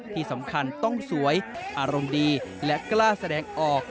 ที่สำคัญต้องสวยอารมณ์ดีและกล้าแสดงออก